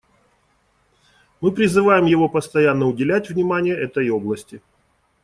Мы призываем его постоянно уделять внимание этой области.